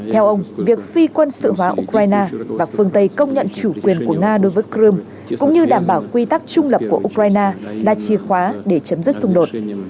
theo ông việc phi quân sự hóa ukraine và phương tây công nhận chủ quyền của nga đối với crimea cũng như đảm bảo quy tắc trung lập của ukraine là chìa khóa để chấm dứt xung đột